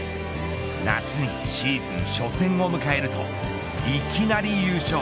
夏にシーズン初戦を迎えるといきなり優勝。